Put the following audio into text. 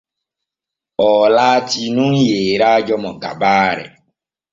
Oo laati nun yeyrajo mo gabaare.